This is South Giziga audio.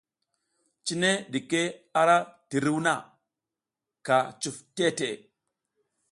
Cine ɗike a ra tiruw na, ka cuf teʼe teʼe.